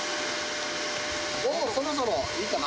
もうそろそろいいかな。